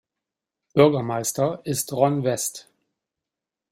Bürgermeister ist Ron West.